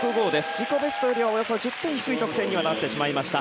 自己ベストより１０点低い得点になってしまいました。